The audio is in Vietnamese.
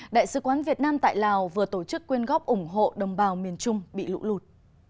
đại sứ quán việt nam tại lào vừa tổ chức quyên góp ủng hộ đồng bào miền trung bị lũ lụt